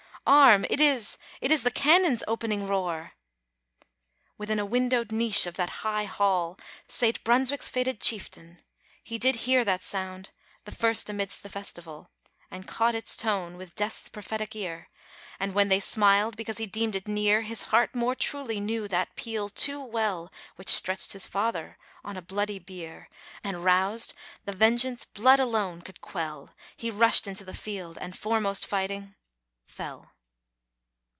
arm! it is it is the cannon's opening roar! Within a windowed niche of that high hall Sate Brunswick's fated chieftain; he did hear That sound, the first amidst the festival, And caught its tone with Death's prophetic ear; And when they smiled because he deemed it near, His heart more truly knew that peal too well Which stretched his father on a bloody bier, And roused the vengeance blood alone could quell: He rushed into the field, and, foremost fighting, fell.